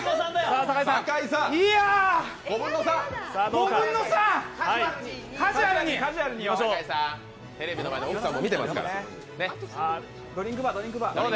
酒井さん、テレビの前で奥さんも見てますから。